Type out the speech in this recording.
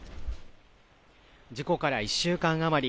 事故から１週間余り